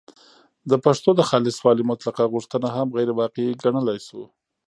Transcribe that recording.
د پښتو د خالصوالي مطلقه غوښتنه هم غیرواقعي ګڼلای شو